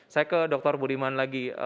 saya ke dr budiman lagi